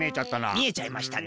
みえちゃいましたね。